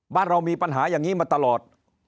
บ้านเรามีปัญหาอย่างนี้มาตลอด